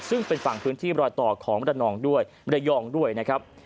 ซึ่งเป็นฝั่งพื้นที่รอยต่อของมรนองด้วยมรยองด้วยนะครับ